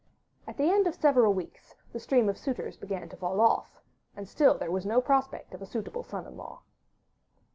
At the end of several weeks the stream of suitors began to fall off, and still there was no prospect of a suitable son in law.